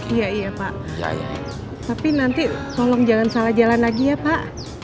iya iya pak tapi nanti tolong jangan salah jalan lagi ya pak